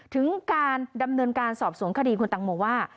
ถึงการดำเนินการสอบสวนคดีคุณตังโมว่า